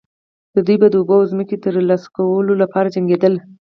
دوی به د اوبو او ځمکې د ترلاسه کولو لپاره جنګیدل.